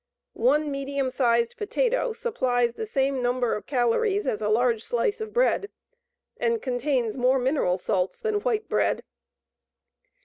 One medium sized potato supplies the same number of calories as a large slice of bread, and contains more mineral salts than white bread.